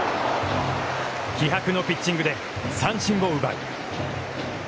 気迫のピッチングで三振を奪う。